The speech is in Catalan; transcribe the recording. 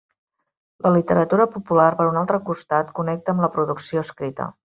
La literatura popular, per un altre costat, connecta amb la producció escrita.